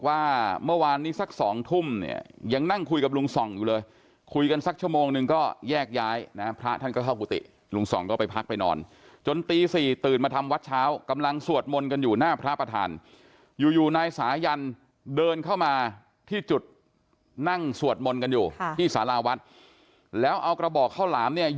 ว่าเมื่อวานนี้สักสองทุ่มเนี่ยยังนั่งคุยกับลุงส่องอยู่เลยคุยกันสักชั่วโมงนึงก็แยกย้ายนะพระท่านก็เข้ากุฏิลุงส่องก็ไปพักไปนอนจนตี๔ตื่นมาทำวัดเช้ากำลังสวดมนต์กันอยู่หน้าพระประธานอยู่อยู่นายสายันเดินเข้ามาที่จุดนั่งสวดมนต์กันอยู่ที่สาราวัดแล้วเอากระบอกข้าวหลามเนี่ย